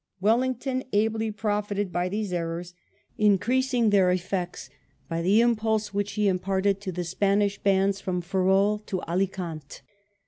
Wellington ably profited by these errors, increasing their effects by the impulse which he imparted to the Spanish M i62 WELLINGTON chap, vii bands from Ferrol to Alicant.